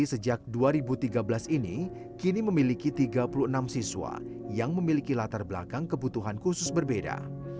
sejak dua ribu tiga belas ini kini memiliki tiga puluh enam siswa yang memiliki latar belakang kebutuhan khusus berbeda